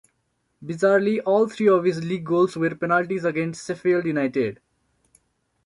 Bizarrely, all three of his League goals were penalties against Sheffield United.